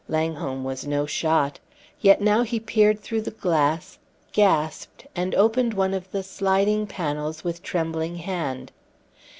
Langholm was no shot. Yet now he peered through the glass gasped and opened one of the sliding panels with trembling hand.